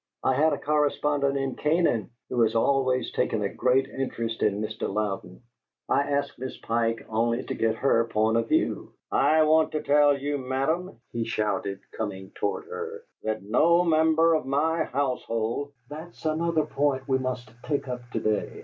"I had a correspondent in Canaan, one who has always taken a great interest in Mr. Louden. I asked Miss Pike only to get her own point of view." "I want to tell you, madam," he shouted, coming toward her, "that no member of my household " "That's another point we must take up to day.